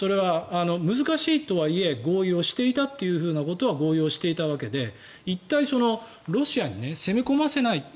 だから僕は難しいとはいえ合意をしていたということは合意をしていたわけで、ロシアに攻め込ませない。